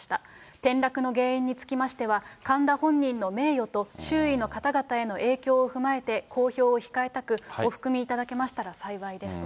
転落の原因につきましては、神田本人の名誉と周囲の方々への影響を踏まえて公表を控えたく、お含みいただけましたら幸いですと。